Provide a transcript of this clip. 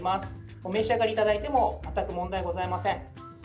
お召し上がりいただいても全く問題ございません。